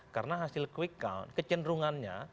karena hasil quick count kecenderungannya